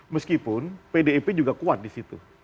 meskipun pdep juga kuat disitu